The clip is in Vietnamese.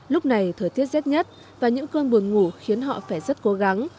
lúc này thời tiết rét nhất và những cơn buồn ngủ khiến họ phải rất cố gắng